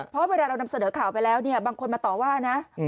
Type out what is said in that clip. เพราะเวลาเรานำเสนอข่าวไปแล้วเนี่ยบางคนมาต่อว่านะ